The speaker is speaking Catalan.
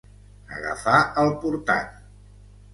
Agafar el portant.